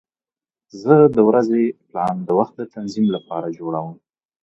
زه د ورځې پلان د وخت د تنظیم لپاره جوړوم.